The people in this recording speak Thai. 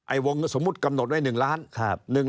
วงสมมุติกำหนดไว้๑ล้าน